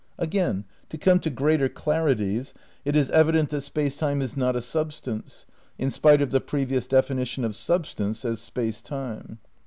Again, to come to greater clarities, it is evident that Space Time is not a substance, in spite of the previous definition of substance as Space Time.